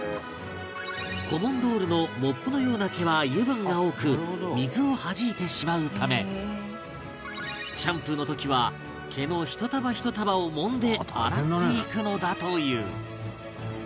コモンドールのモップのような毛は油分が多く水をはじいてしまうためシャンプーの時は毛の１束１束を揉んで洗っていくのだという